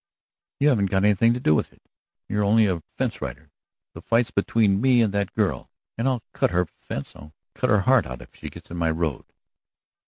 "You haven't got anything to do with it you're only a fence rider! The fight's between me and that girl, and I'll cut her fence I'll cut her heart out if she gets in my road!"